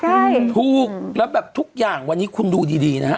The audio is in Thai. ใช่ถูกแล้วแบบทุกอย่างวันนี้คุณดูดีดีนะฮะ